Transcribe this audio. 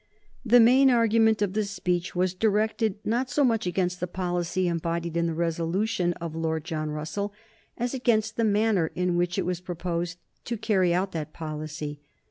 The main argument of the speech was directed not so much against the policy embodied in the resolution of Lord John Russell, as against the manner in which it was proposed to carry out that policy.